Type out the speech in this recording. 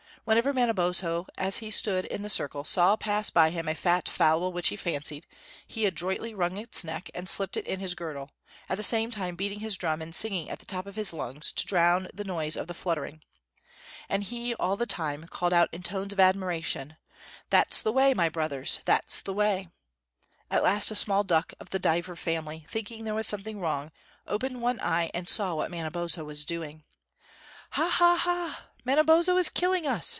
Whenever Manabozho, as he stood in the circle, saw pass by him a fat fowl which he fancied, he adroitly wrung its neck and slipped it in his girdle, at the same time beating his drum and singing at the top of his lungs to drown the noise of the fluttering. And he all the time called out in tones of admiration: "That's the way, my brothers; that's the way!" At last a small duck, of the diver family, thinking there was something wrong, opened one eye and saw what Manabozho was doing. "Ha ha a! Manabozho is killing us!"